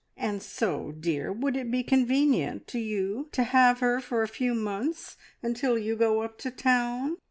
And so, dear, would it be convenient to you to have her for a few months until you go up to town?